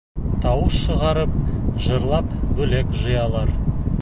Тауыш шығарып, жырлап бүләк жыялар.